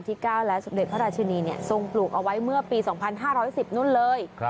๙และสมเด็จพระราชินีทรงปลูกเอาไว้เมื่อปี๒๕๑๐นู่นเลย